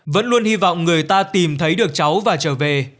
vẫn luôn hy vọng người ta tìm thấy được cháu và trở về